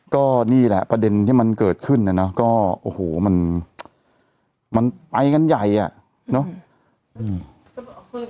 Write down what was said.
ก็นี่แหละประเด็นที่มันเกิดขึ้นน่ะนะก็โอ้โหมันมันไปกันใหญ่อ่ะเนอะ